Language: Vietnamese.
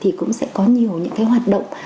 thì cũng sẽ có nhiều những hoạt động